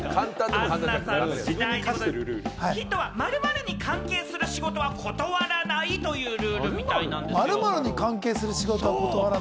ヒントは、〇〇に関係する仕事は断らないというルールらしいんですよ。